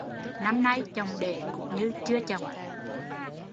Năm nay chồng để cũng như chưa chồng